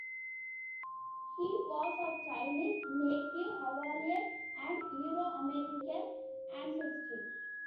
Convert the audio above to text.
He was of Chinese, Native Hawaiian, and Euro-American ancestry.